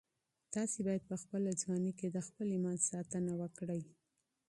تاسي باید په خپله ځواني کي د خپل ایمان ساتنه وکړئ.